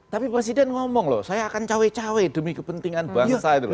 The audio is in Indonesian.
tapi presiden ngomong loh saya akan cawe cawe demi kepentingan bangsa